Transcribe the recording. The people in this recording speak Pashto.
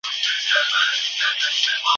ښه خلک د عقل او تدبیر خاوندان وي.